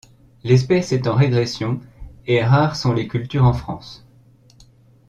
L'espèce est en régression et rares sont les cultures en France.